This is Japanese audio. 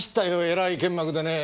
えらい剣幕でね。